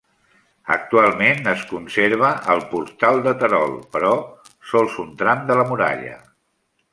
Actualment es conserva el Portal de Terol, però sols un tram de la muralla.